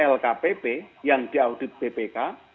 lkpp yang diaudit bpk